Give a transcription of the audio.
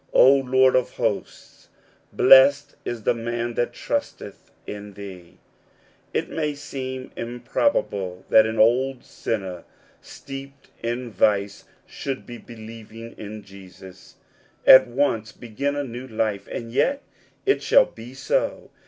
" O Lord of hosts, blessed is thq man that trusteth in thee !It may seem im probable that on old sinner, steeped in vice, should by believing in Jesus, at once begin a new life; and yet it shall be so.